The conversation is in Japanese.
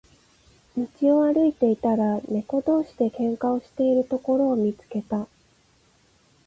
道を歩いていたら、猫同士で喧嘩をしているところを見つけた。